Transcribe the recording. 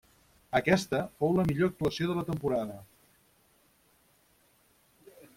Aquesta fou la millor actuació de la temporada.